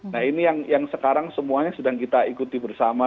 nah ini yang sekarang semuanya sedang kita ikuti bersama